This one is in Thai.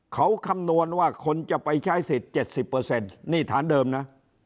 เขาคำนวณว่าคนจะไปใช้สิทธิ์๗๐เปอร์เซ็นต์นี่ฐานเดิมนะ